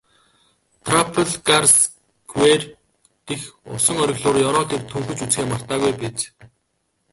Трафальгарсквер дэх усан оргилуурын ёроолыг төнхөж үзэхээ мартаагүй биз?